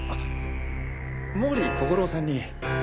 毛利小五郎さんに。